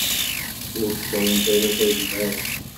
Ur tesɛimt ara tazmert.